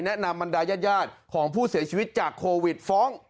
แนะนำบันดายญาติของผู้เสียชีวิตจากโควิดฟ้อง